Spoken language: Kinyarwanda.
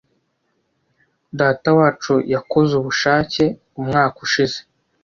Datawacu yakoze ubushake umwaka ushize.